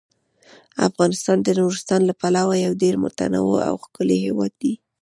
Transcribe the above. افغانستان د نورستان له پلوه یو ډیر متنوع او ښکلی هیواد دی.